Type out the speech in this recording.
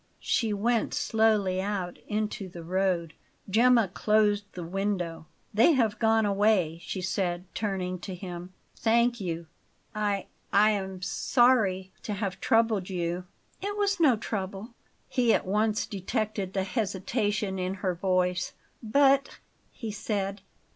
She went slowly out into the road. Gemma closed the window. "They have gone away," she said, turning to him. "Thank you. I I am sorry to have troubled you." "It was no trouble." He at once detected the hesitation in her voice. "'But?'" he said.